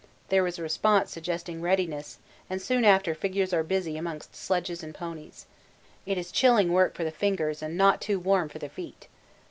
There is a response suggesting readiness, and soon after figures are busy amongst sledges and ponies. It is chilling work for the fingers and not too warm for the feet.